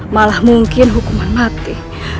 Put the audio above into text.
malah mungkin hukuman mati